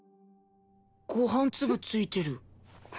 ご飯粒付いてる。